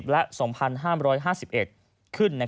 ๒๕๕๐และ๒๕๕๑ขึ้น